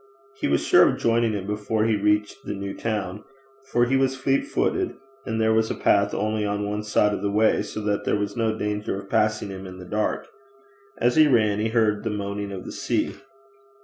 He was sure of joining him before he reached the new town, for he was fleet footed, and there was a path only on one side of the way, so that there was no danger of passing him in the dark. As he ran he heard the moaning of the sea.